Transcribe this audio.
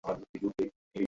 আল্লাহ আমাকে হেফাজত করবে।